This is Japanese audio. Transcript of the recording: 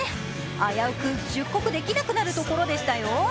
危うく出国できなくなるところでしたよ。